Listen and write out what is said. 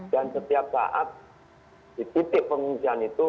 dan setiap saat di titik pengungsian itu